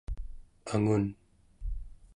angun